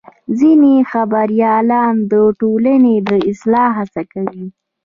ځینې خبریالان د ټولنې د اصلاح هڅه کوي.